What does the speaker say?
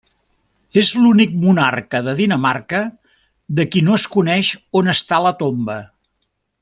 És l'únic monarca de Dinamarca de qui no es coneix on està la tomba.